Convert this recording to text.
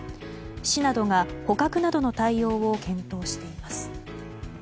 市などが捕獲などの対応を検討しています。